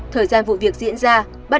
thời gian vụ việc diễn ra